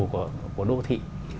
của đô thị